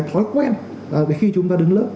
thói quen khi chúng ta đứng lớn